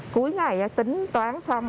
cuối ngày tính toán xong